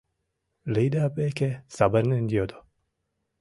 — Лида веке савырнен йодо.